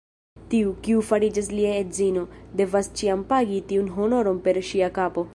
Tiu, kiu fariĝas lia edzino, devas ĉiam pagi tiun honoron per ŝia kapo.